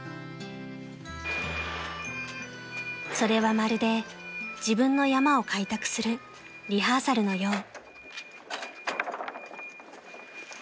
［それはまるで自分の山を開拓するリハーサルのよう］